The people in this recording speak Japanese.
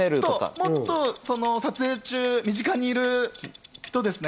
もっと撮影中、身近にいる人ですね。